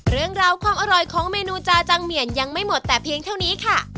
เรื่องราวความอร่อยของเมนูจาจังเหมียนยังไม่หมดแต่เพียงเท่านี้ค่ะ